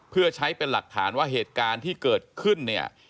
เพื่อใช้เป็นหลักฐานว่าเหตุการณ์ที่เกิดขึ้นเนี่ย